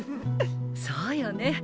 そうよね。